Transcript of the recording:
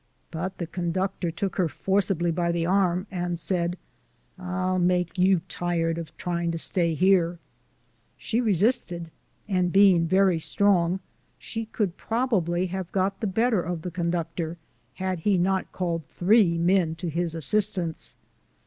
But the con ductor took her forcibly by the arm, and said, " I'll make you tired of trying to stay here," She resisted, and being very strong, she could probably have got' the better of the conductor, had he not called three men to his assistance.